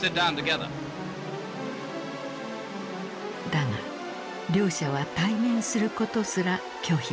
だが両者は対面することすら拒否。